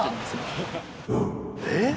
えっ？